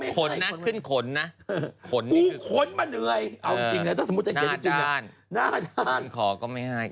ขนนะขึ้นขนนะได้ติดคลึมเปล่าเหรอหน้าด้าน